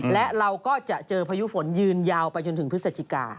และเราก็จะเจอพายุฝนยืนยาวไปจนถึงพฤศจิกา